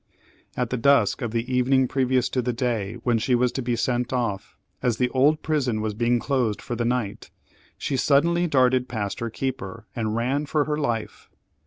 At the dusk of the evening previous to the day when she was to be sent off, as the old prison was being closed for the night, she suddenly darted past her keeper, and ran for her life.